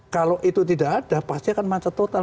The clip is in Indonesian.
kalau itu tidak ada pasti akan macet total